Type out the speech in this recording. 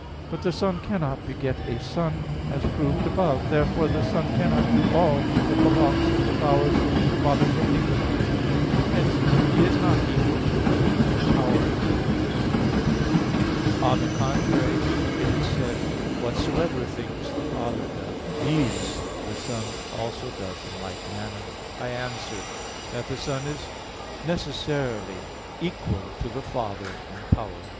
But the Son cannot beget a Son, as proved above (Q. 41, A. 6). Therefore the Son cannot do all that belongs to the Father's omnipotence; and hence He is not equal to Him power. On the contrary, It is said (John 5:19): "Whatsoever things the Father doth, these the Son also doth in like manner." I answer that, The Son is necessarily equal to the Father in power.